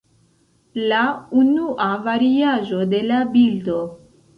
La unua variaĵo de la bildo.